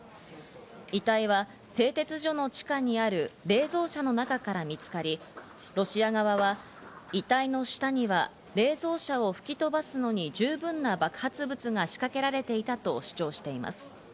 遺体は製鉄所の地下にある冷蔵車の中から見つかり、ロシア側は遺体の下には冷蔵車を吹き飛ばすのに十分な爆発物が仕掛けられていたと主張しています。